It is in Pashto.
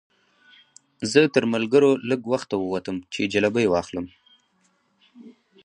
زه تر ملګرو لږ وخته ووتم چې جلبۍ واخلم.